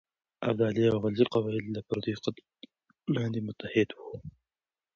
ابدالي او غلجي قبایل د پرديو قدرتونو پر وړاندې متحد وو.